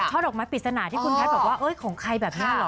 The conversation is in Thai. ดอกไม้ปริศนาที่คุณแพทย์บอกว่าของใครแบบนี้เหรอ